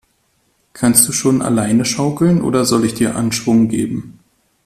Kannst du schon alleine schaukeln, oder soll ich dir Anschwung geben?